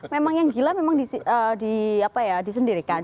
memang yang gila memang disendirikan